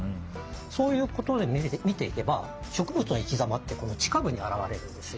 そういうことで見ていけば植物の生き様って地下部に現れるんですよ。